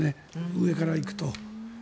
上から行くと。